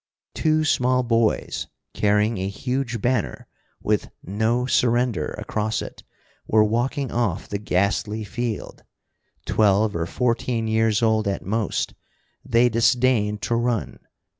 Two small boys, carrying a huge banner with "No Surrender" across it, were walking off the ghastly field. Twelve or fourteen years old at most, they disdained to run.